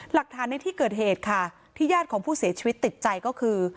หลักฐานในที่เกิดเหตุค่ะที่ญาติของผู้เสียชีวิตติดใจก็คือ